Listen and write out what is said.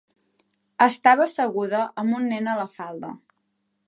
Estava asseguda amb un nen a la falda.